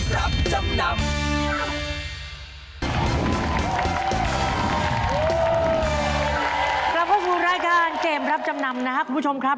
กลับเข้าสู่รายการเกมรับจำนำนะครับคุณผู้ชมครับ